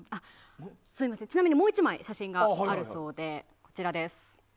ちなみにもう１枚写真があるそうで。